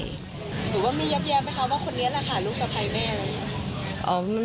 หรือว่ามียับแย้มไหมคะว่าคนนี้แหละค่ะลูกสะพายแม่อะไรอย่างนี้